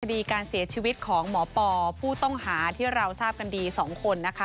คดีการเสียชีวิตของหมอปอผู้ต้องหาที่เราทราบกันดี๒คนนะคะ